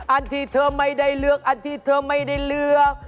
อันที่เธอไม่ได้เลือกอันที่เธอไม่ได้เลือก